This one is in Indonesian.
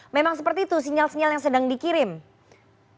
memang seperti itu sinyal sinyal yang sedang dikirim